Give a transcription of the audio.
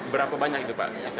berapa banyak itu pak